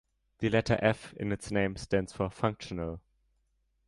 The letter 'F' in its name stands for "functional".